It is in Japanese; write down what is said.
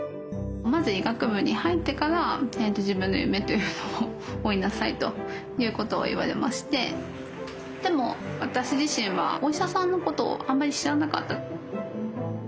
「まず医学部に入ってから自分の夢というのを追いなさい」ということを言われましてでも私自身はお医者さんのことをあまり知らなかった。